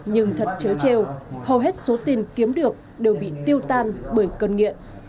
nhưng thật chớ treo hầu hết số tin kiếm được đều bị tiêu tan bởi cơn nghiện